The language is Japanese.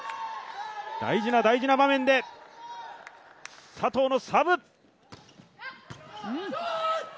大事な大事な場面で佐藤のサーブ。